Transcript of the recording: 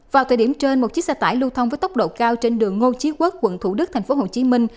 vào thời điểm trên một chiếc xe tải lưu thông với tốc độ cao trên đường ngô chí quốc quận thủ đức thành phố hồ chí minh